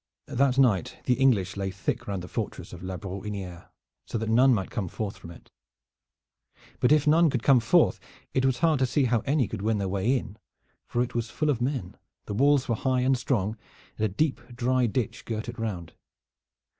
That night the English lay thick round the fortress of La Brohiniere so that none might come forth from it. But if none could come forth it was hard to see how any could win their way in, for it was full of men, the walls were high and strong, and a deep dry ditch girt it round.